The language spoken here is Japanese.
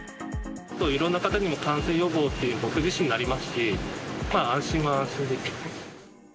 いろんな方にも感染予防っていう、僕自身もなりますし、安心は安心ですよね。